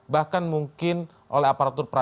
bahkan mungkin oleh aparatur